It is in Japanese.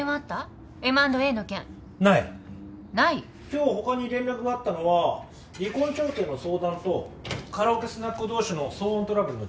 今日他に連絡があったのは離婚調停の相談とカラオケスナック同士の騒音トラブルの仲介。